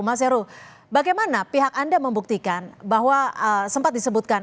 mas heru bagaimana pihak anda membuktikan bahwa sempat disebutkan